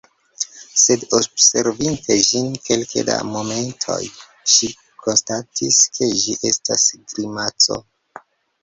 Sed observinte ĝin kelke da momentoj, ŝi konstatis ke ĝi estas grimaco.